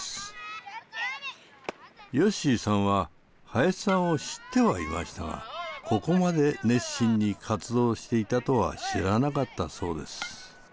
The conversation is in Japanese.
よっしーさんは林さんを知ってはいましたがここまで熱心に活動していたとは知らなかったそうです。